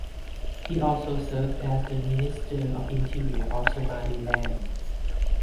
He also served as the Minister of Interior of Somaliland.